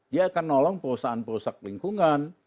dia akan nolong perusahaan perusahaan lingkungan